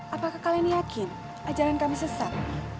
apakah kalian yakin ajaran kami sesat